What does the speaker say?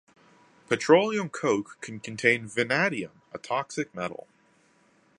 Petroleum coke can contain vanadium, a toxic metal.